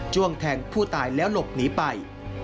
้วงแทงผู้ตายแล้วหลบหนีไป